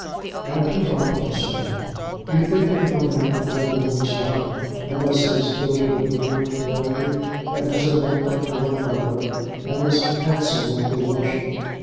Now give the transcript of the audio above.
"And to love him, sir. Do you think that no man can win a woman's love, unless he is filled to the brim with poetry, and has a neck like Lord Byron, and is handsome like your worship?